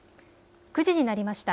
９時になりました。